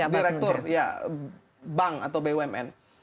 direktur bank atau bumn